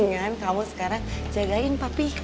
yaudah sekarang istirahatnya